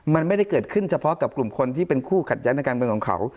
มันไม่ได้เกิดขึ้นเฉพาะกับกลุ่มคนที่เป็นคู่ขัดแย้งในการเมืองของเขา